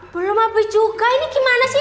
belum habis juga ini gimana sih